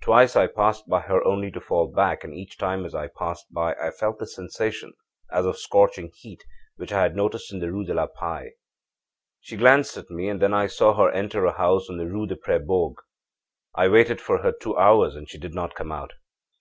Twice I passed by her only to fall back, and each time as I passed by I felt this sensation, as of scorching heat, which I had noticed in the Rue de la Paix. âShe glanced at me, and then I saw her enter a house on the Rue de Presbourg. I waited for her two hours and she did not come out.